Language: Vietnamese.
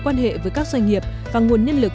quan hệ với các doanh nghiệp và nguồn nhân lực